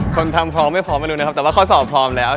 คนทำพร้อมไม่พร้อมไม่รู้นะครับแต่ว่าข้อสอบพร้อมแล้ว